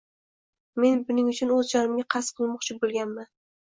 Men buning uchun o‘z jonimga qasd qilmoqchi bo‘lganman!